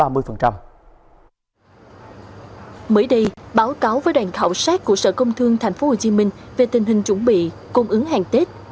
mới đây báo cáo với đoàn khảo sát của sở công thương tp hcm về tình hình chuẩn bị cung ứng hàng tết